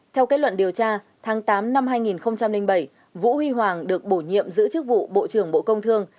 theo kết luận điều tra tháng tám năm hai nghìn bảy vũ huy hoàng được bổ nhiệm giữ chức vụ bộ trưởng bộ công thương